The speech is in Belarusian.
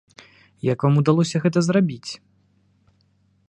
Як вам удалося гэта зрабіць?